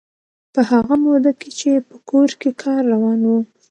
په هغه موده کې چې په کور کې کار روان و.